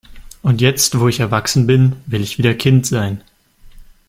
Und jetzt, wo ich erwachsen bin, will ich wieder Kind sein.